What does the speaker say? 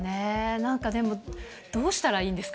なんかでも、どうしたらいいんですか。